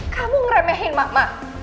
kamu ngeremehin mama